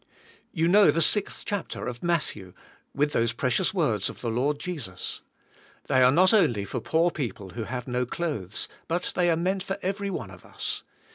You know the 6th chapter of Matthew, with those precious words of the Lord Jesus. They are not only for poor people who have no clothes, but they are meant for every one of us.